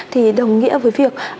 thì đồng nghĩa với việc